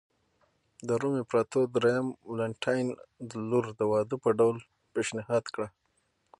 د روم امپراتور درېیم والنټیناین لور د واده په ډول پېشنهاد کړه